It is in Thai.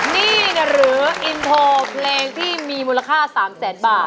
นี่หรืออินโทรเพลงที่มีมูลค่า๓แสนบาท